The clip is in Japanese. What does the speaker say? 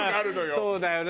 そうだよな。